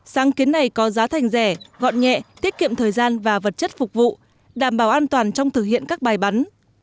sáng kiến này có giá thành rẻ gọn nhẹ tiết kiệm thời gian và vật chất phục vụ đảm bảo an toàn trong thực hiện các bài bắn